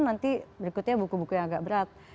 nanti berikutnya buku buku yang agak berat